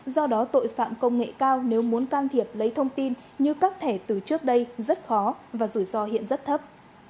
do đó tội phạm công nghệ cao nếu muốn can thiệp lấy thông tin như các thẻ từ trước đây rất khó và rủi ro hiện rất thấp